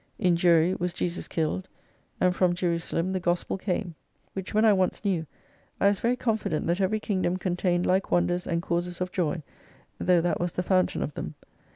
In Jury was Jesus killed, and from J erusalem the Gospel came. Which when I once knew, I was very confident that every kingdom contained like wonders and causes of joy, though that was the fountain of them.